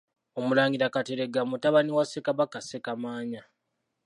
OMULANGIRA Kateregga mutabani wa Ssekabaka Ssekamaanya.